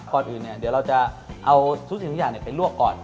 ก่อนอื่นเดี๋ยวเราจะเอาทุกสิ่งทุกอย่างไปลวกก่อน